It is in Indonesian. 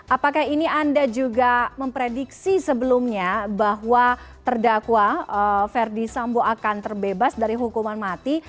apakah ini anda juga memprediksi sebelumnya bahwa terdakwa ferdi sambo akan terbebas dari hukuman mati